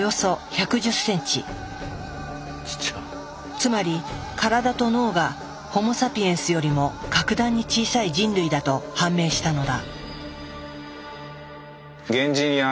つまり体と脳がホモ・サピエンスよりも格段に小さい人類だと判明したのだ。